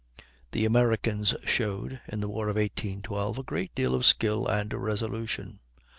The Americans showed, in the War of 1812, a great deal of skill and resolution.